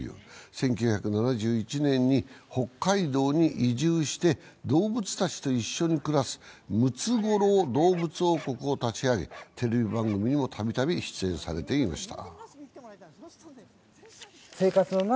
１９７１年に北海道に移住して動物たちと一緒に暮らすムツゴロウ動物王国を立ち上げテレビ番組にもたびたび出演されていました。